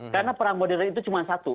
karena perang modern itu cuma satu